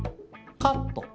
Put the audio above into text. カット。